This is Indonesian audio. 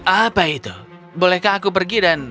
apa itu bolehkah aku pergi dan